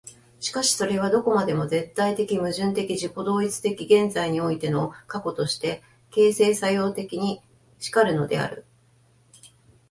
しかしそれはどこまでも絶対矛盾的自己同一的現在においての過去として、形成作用的に然るのである。